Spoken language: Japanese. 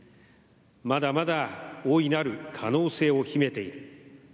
まだまだ大いなる可能性を秘めている。